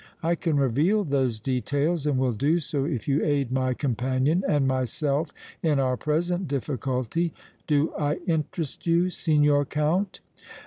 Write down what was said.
I can reveal those details and will do so if you aid my companion and myself in our present difficulty. Do I interest you, Signor Count?"